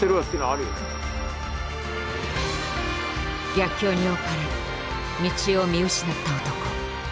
逆境におかれ道を見失った男。